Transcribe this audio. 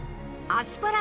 アスパラ？